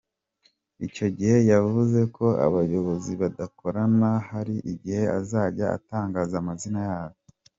Icyo gihe yavuze ko abayobozi badakorana hari igihe azajya atangaza amazina yabo.